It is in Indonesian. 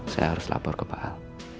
saya harus lapor ke pak hal